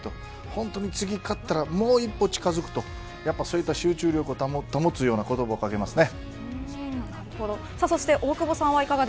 本当に次勝ったらもう一歩近づくとやっぱそういった集中力を保つような言葉をかけますね。